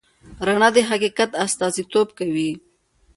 رڼا د حقیقت استازیتوب کوي.